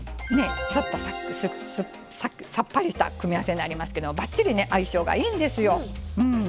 ちょっとさっぱりした組み合わせになりますけどばっちりね相性がいいんですよ。